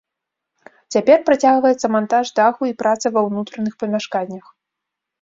Цяпер працягваецца мантаж даху і праца ва ўнутраных памяшканнях.